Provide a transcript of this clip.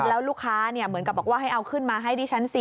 แล้วลูกค้าเหมือนกับบอกว่าให้เอาขึ้นมาให้ดิฉันสิ